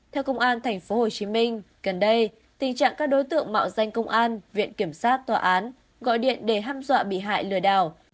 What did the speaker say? theo công an tp hcm gần đây tình trạng các đối tượng mạo danh công an viện kiểm sát tòa án gọi điện để ham dọa bị hại lừa đảo